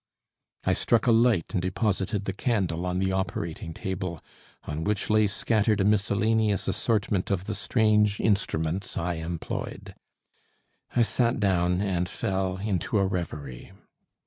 I struck a light and deposited the candle on the operating table on which lay scattered a miscellaneous assortment of the strange instruments I employed. I sat down and fell into a reverie.